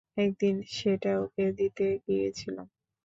একদিন সেটা ওকে দিতে গিয়েছিলুম।